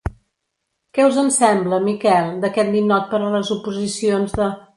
-¿Què us en sembla, Miquel, d'aquest ninot per a les oposicions de